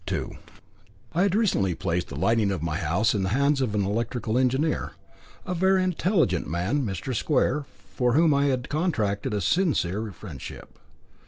III I had recently placed the lighting of my house in the hands of an electrical engineer, a very intelligent man, Mr. Square, for whom I had contracted a sincere friendship.